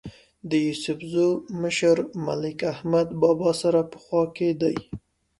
د یوسفزو مشر ملک احمد بابا سره په خوا کې دی.